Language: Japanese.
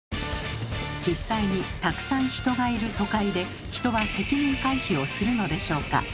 実際にたくさん人がいる都会で人は責任回避をするのでしょうか？